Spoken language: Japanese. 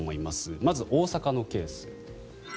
まず大阪のケース。